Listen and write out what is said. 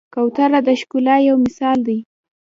کوتره د ښکلا یو مثال دی.